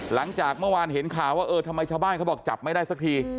หลังจากเมื่อวานเห็นข่าวว่าเออทำไมชาวบ้านเขาบอกจับไม่ได้สักที